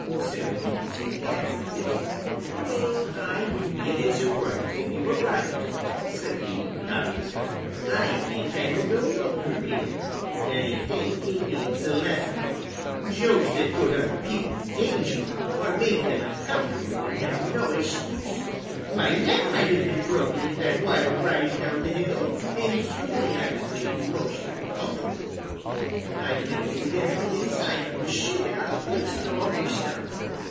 "So that is your guess, is it? Well, I wouldn't be a bit surprised if you are right," said he, nodding his head. "I think I will go look for Peter. I think he needs a lesson. Jokes that put other people in danger or make them uncomfortable can have no excuse. My neck might have been broken in that wild ride down the hill, and certainly I was made most uncomfortable. I felt as if everything inside me was shaken out of place and all mixed up.